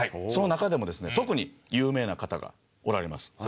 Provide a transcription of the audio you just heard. その中でもですね特に有名な方がおられます。